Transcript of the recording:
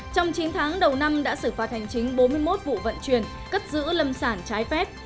trong chín tháng đầu năm đã xử phạt hành chính bốn mươi một vụ vận chuyển cất giữ lâm sản trái phép